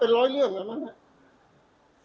ผมลองมาเป็นร้อยเรื่องนะมัน